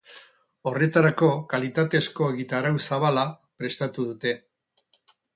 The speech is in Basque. Horretarako, kalitatezko egitarau zabala prestatu dute.